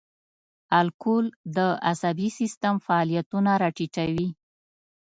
الکول د عصبي سیستم فعالیتونه را ټیټوي.